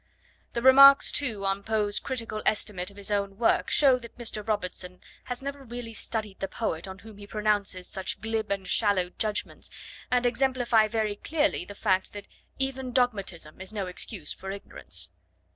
The remarks, too, on Poe's critical estimate of his own work show that Mr. Robertson has never really studied the poet on whom he pronounces such glib and shallow judgments, and exemplify very clearly the fact that even dogmatism is no excuse for ignorance.